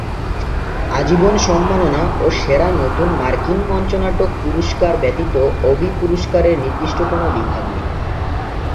আজীবন সম্মাননা ও সেরা নতুন মার্কিন মঞ্চনাটক পুরস্কার ব্যতীত ওবি পুরস্কারের নির্দিষ্ট কোন বিভাগ নেই।